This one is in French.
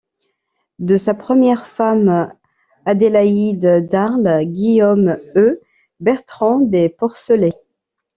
De sa première femme, Adélaïde d'Arles, Guillaume eut Bertrand des Porcellets.